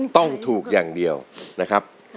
ต้องถูกอย่างเดียวนะครับ